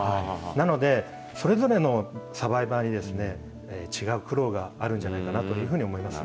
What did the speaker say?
なので、それぞれのサバイバーに違う苦労があるんじゃないかなというふう